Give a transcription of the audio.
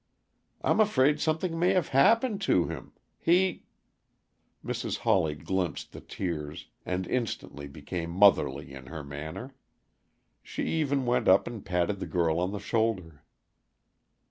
"I'm afraid something may have happened to him. He " Mrs. Hawley glimpsed the tears, and instantly became motherly in her manner. She even went up and patted the girl on the shoulder.